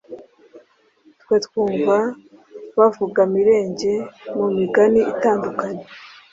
Twe twumva bavuga Mirenge mu migani itandukanye,